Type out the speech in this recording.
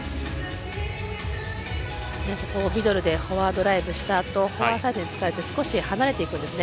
ミドルでフォアドライブしたあとフォアサイドにつかれて少し離れていくんですね。